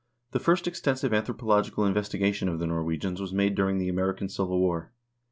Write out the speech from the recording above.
The first extensive anthropological investigation of the Norwegians was made during the American Civil War.